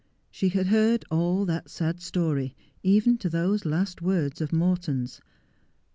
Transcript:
She had heard all that sad story — even to those last words of Morton's.